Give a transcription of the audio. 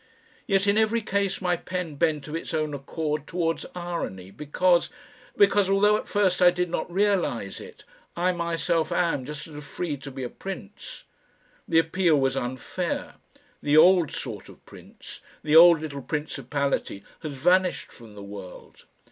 Yet in every case my pen bent of its own accord towards irony because because, although at first I did not realise it, I myself am just as free to be a prince. The appeal was unfair. The old sort of Prince, the old little principality has vanished from the world.